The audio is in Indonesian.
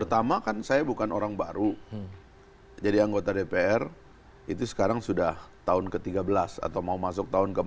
pertama kan saya bukan orang baru jadi anggota dpr itu sekarang sudah tahun ke tiga belas atau mau masuk tahun ke empat belas